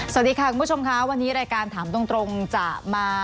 สวัสดีค่ะคุณผู้ชมค่ะวันนี้รายการถามตรงจะมา